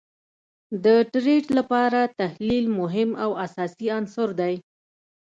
د ټریډ لپاره تحلیل مهم او اساسی عنصر دي